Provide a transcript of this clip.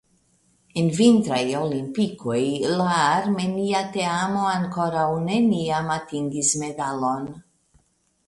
En Vintraj Olimpikoj la armenia teamo ankoraŭ neniam atingis medalon.